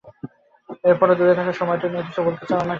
এরপরও, দূরে থাকার সময়টা নিয়ে কিছু বলতে চাও আমাকে?